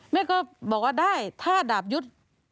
แม่ก็บอกว่าได้ถ้าดาบยุทธ์